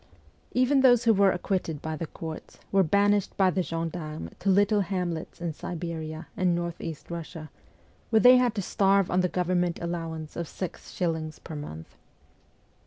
Even those who were acquitted by the courts were banished by the gendarmes to little hamlets in Siberia and North east Eussia, where they had to starve on the government allowance of six shillings per month.